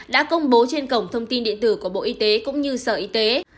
đã công bố trên cổng thông tin điện tử của bộ y tế cũng như sở y tế